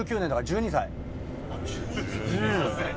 １２歳。